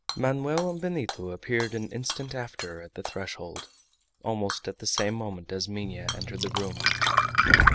Manoel and Benito appeared an instant after at the threshold, almost at the same moment as Minha entered the room.